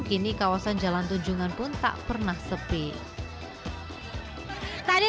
kini kawasan jalan tujuan pun tak pernah selesai